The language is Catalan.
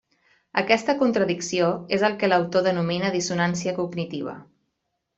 Aquesta contradicció és el que l'autor denomina dissonància cognitiva.